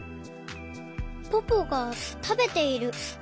ポポがたべている。